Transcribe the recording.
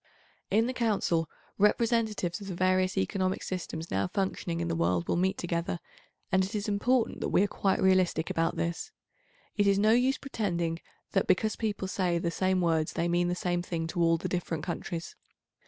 In the Council, representatives of the various economic systems now functioning in the world will meet together, and it is important that we are quite realistic about this. It is no use pretending that, because people say the same words they mean the same thing to all the different countries.